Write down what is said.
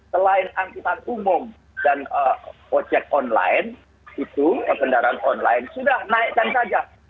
selain angkutan umum dan ojek online itu kendaraan online sudah naikkan saja